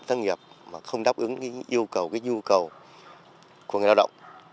tăng nghiệp mà không đáp ứng yêu cầu yêu cầu của người lao động